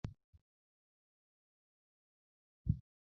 Wa mimi sibanduki, ni radhi nilaumiwe.